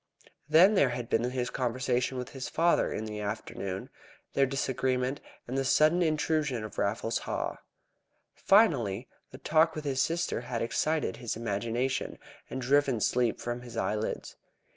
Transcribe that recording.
Then there had been his conversation with his father in the afternoon, their disagreement, and the sudden intrusion of Raffles Haw. Finally the talk with his sister had excited his imagination, and driven sleep from his eyelids.